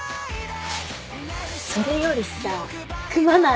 それよりさ組まない？